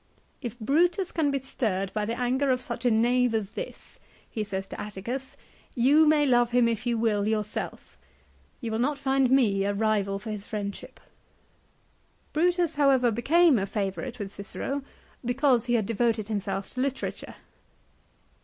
" If Brutus can be stirred by the anger of. such a knave as this," he says to Atticus, " you may love him, if you will, yourself ; you will not find me a rival for his friendship." 1 Brutus, however, became a favourite with Cicero, because he had devoted himself to literature.